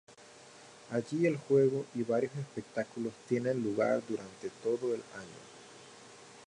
Allí, el juego y varios espectáculos tienen lugar durante todo el año.